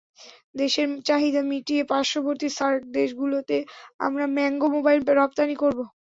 দেশের চাহিদা মিটিয়ে পার্শ্ববর্তী সার্ক দেশগুলোতেও আমরা ম্যাঙ্গো মোবাইল রপ্তানি করব।